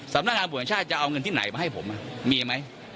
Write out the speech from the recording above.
สำนักงานบุญชาติจะเอาเงินที่ไหนมาให้ผมมีไหม